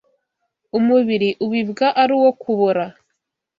Umubiri ubibwa ari uwo kubora